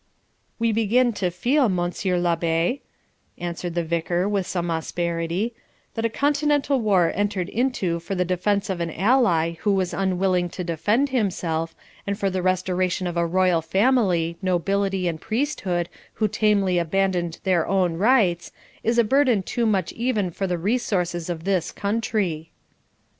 'We begin to feel, Monsieur L'Abbe,' answered the Vicar, with some asperity, 'that a Continental war entered into for the defence of an ally who was unwilling to defend himself, and for the restoration of a royal family, nobility, and priesthood who tamely abandoned their own rights, is a burden too much even for the resources of this country.'